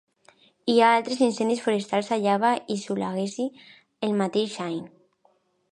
Hi ha altres incendis forestals a Java i Sulawesi el mateix any.